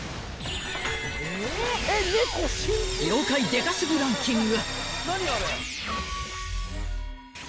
［妖怪デカすぎランキング］